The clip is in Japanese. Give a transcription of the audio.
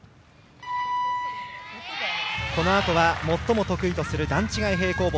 このあとは最も得意とする段違い平行棒。